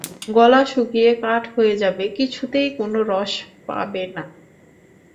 গলা শুকিয়ে কাঠ হয়ে যাবে, কিছুতেই কোনো রস পাবে না।